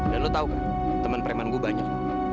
dan lu tau kan temen preman gue banyak